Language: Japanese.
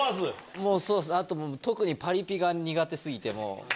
もうそうです、あと特にパリピが苦手すぎて。